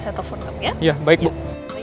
semoga semuanya baik pak